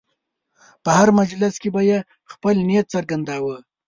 په هر مجلس کې به یې خپل نیت څرګنداوه.